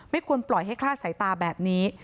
ควรปล่อยให้คลาดสายตาแบบนี้